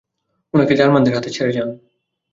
ওনাকে জার্মানদের হাতে ছেড়ে যান।